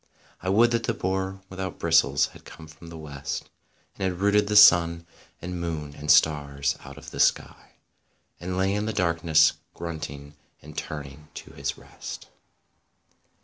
I would that the boar without bristles had come from the West And had rooted the sun and moon and stars out of the sky And lay in the darkness, grunting, and turning to his rest.